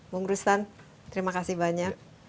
bung rustan terima kasih banyak